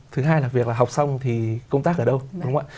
thứ hai là việc là học xong thì công tác ở đâu đúng không ạ